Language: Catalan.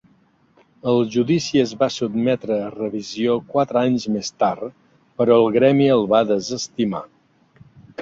El judici es va sotmetre a revisió quatre anys més tard, però el gremi el va desestimar.